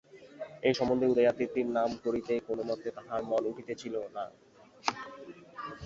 এ সম্বন্ধে উদয়াদিত্যের নাম করিতে কোন মতেই তাহার মন উঠিতেছিল না।